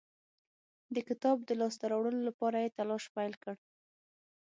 د کتاب د لاسته راوړلو لپاره یې تلاښ پیل کړ.